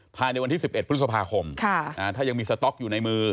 ภายในวันที่๑๑พฤษภาคมถ้ายังมีสต๊อกอยู่ในมือ